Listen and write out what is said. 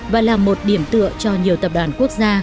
và là một điểm tựa cho nhiều tập đoàn quốc gia